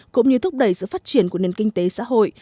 cũng như thúc đẩy sự phát triển của nền kinh tế xã hội